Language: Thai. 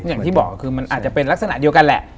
อย่างที่บอกคือมันอาจจะเป็นลักษณะเดียวกันแหละ